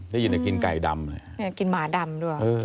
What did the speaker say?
เลยินอยากกินไก่ดำ